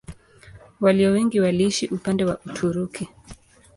Walio wengi waliishi upande wa Uturuki.